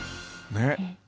ねっ！